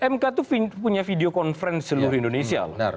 mk itu punya video conference seluruh indonesia loh